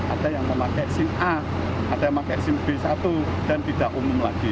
ada yang memakai sim a ada yang pakai sim b satu dan tidak umum lagi